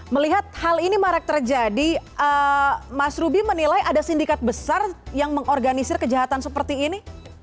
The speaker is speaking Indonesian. melihat hal ini marak terjadi mas ruby menilai ada sindikat besar yang mengorganisir kejahatan seperti ini